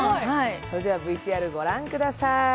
それではＶＴＲご覧ください。